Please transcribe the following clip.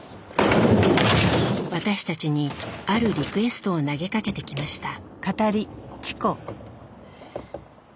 私たちにあるリクエストを投げかけてきました。